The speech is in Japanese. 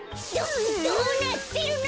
どどうなってるの！？